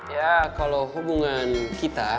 ya kalau hubungan kita